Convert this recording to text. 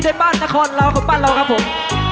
ในบ้านนาคอร์นเราคนป้านเราครับผม